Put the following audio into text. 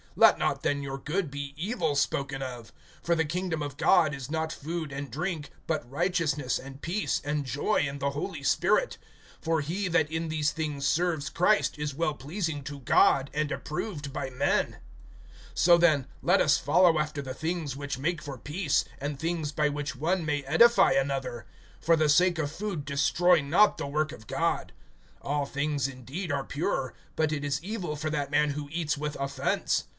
(16)Let not then your good be evil spoken of. (17)For the kingdom of God is not food and drink; but righteousness, and peace, and joy in the Holy Spirit. (18)For he that in these things serves Christ, is well pleasing to God, and approved by men. (19)So then, let us follow after the things which make for peace, and things by which one may edify another. (20)For the sake of food destroy not the work of God. All things indeed are pure; but it is evil for that man who eats with offense.